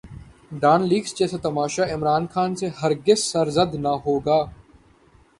Dawn leaks جیسا تماشا عمران خان سے ہر گز سرزد نہ ہوگا۔